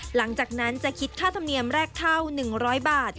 หลังจากนั้นจะคิดค่าธรรมเนียมแรกเข้า๑๐๐บาท